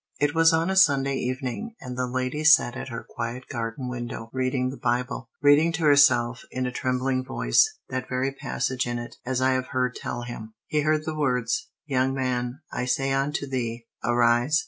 It was a Sunday evening, and the lady sat at her quiet garden window, reading the Bible; reading to herself, in a trembling voice, that very passage in it, as I have heard him tell. He heard the words: "Young man, I say unto thee, arise!"